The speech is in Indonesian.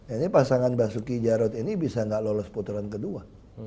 ini pasangan basuki jarod ini bisa nggak lolos putaran kedua